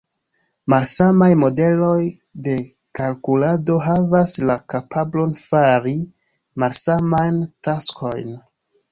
Malsamaj modeloj de kalkulado havas la kapablon fari malsamajn taskojn.